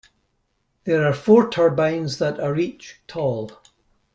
There are four turbines that are each tall.